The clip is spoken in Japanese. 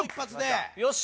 よし！